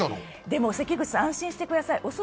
でも、安心してください。